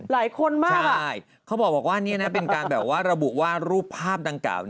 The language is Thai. หุ้ยหลายคนมากอะใช่เขาบอกว่านี่นะเป็นการแบบว่ารูปภาพดังกล่าว